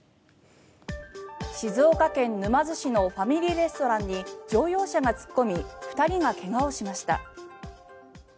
静岡県沼津市のファミリーレストランに乗用車が突っ込み２人が怪我をしました。